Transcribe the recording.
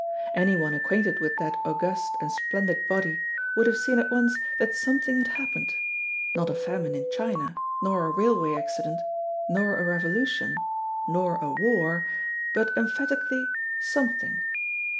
Anyone acquainted with that august and splendid body would have seen at once that something had happened; not a famine in China, nor a railway accident, nor a revolution, nor a war, but emphatically "something."